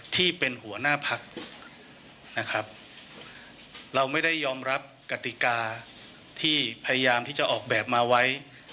ที่เป็นหัวหน้าพักนะครับเราไม่ได้ยอมรับกติกาที่พยายามที่จะออกแบบมาไว้